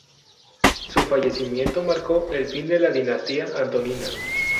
Su fallecimiento marcó el fin de la dinastía Antonina.